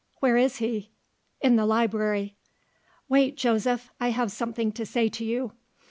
"Where is he?" "In the library." "Wait, Joseph; I have something to say to you.